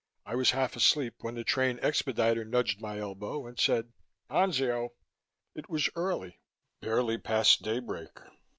I was half asleep when the train expediter nudged my elbow and said, "Anzio." It was early barely past daybreak.